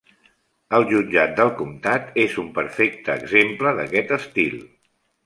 El jutjat del comtat és un perfecte exemple d'aquest estil.